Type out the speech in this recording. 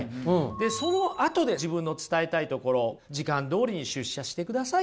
でそのあとで自分の伝えたいところ時間どおりに出社してくださいと。